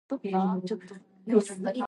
Акылны игезәк кызларыбыз тугач утыртканмындыр.